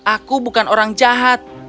aku bukan orang jahat